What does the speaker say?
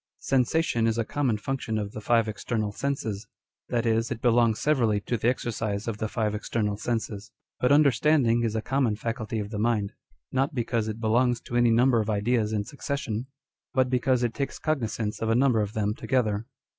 Sensation is a common function of the five external senses, that is, it belongs severally to the exercise of the five external senses : but understanding is a common faculty of the mind â€" not because it belongs to any number of ideas in succession, but because it takes cognisance of a number of them together.